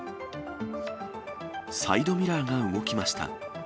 サイドミラーが動きました。